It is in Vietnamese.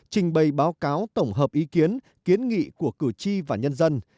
trình bày báo cáo tổng hợp ý kiến kiến nghị của cử tri và nhân dân